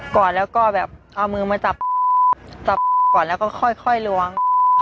อดแล้วก็แบบเอามือมาจับก่อนแล้วก็ค่อยล้วง